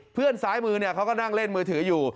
ซ้ายมือเขาก็นั่งเล่นมือถืออยู่